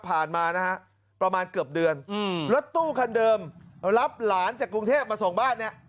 มานะฮะประมาณเกือบเดือนรถตู้คันเดิมรับหลานจากกรุงเทพมาส่งบ้านเนี่ย